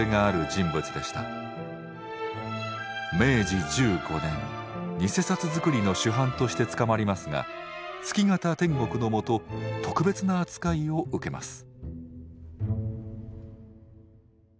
明治１５年贋札づくりの主犯として捕まりますが月形典獄のもと特別な扱いを受けます。